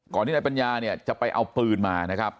ที่นายปัญญาเนี่ยจะไปเอาปืนมานะครับ